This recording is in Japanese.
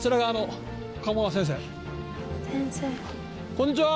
こんにちは。